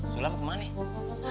sulam kemana nih